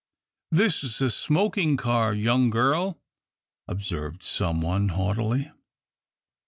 "This is a smoking car, young girl," observed some one, haughtily.